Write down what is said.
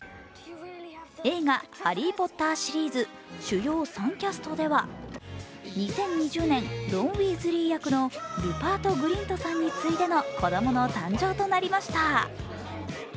映画「ハリー・ポッター」シリーズ、主要３キャストでは２０２０年、ロン・ウィーズリー役のルパート・グリントさんに次いでの子供の誕生となりました。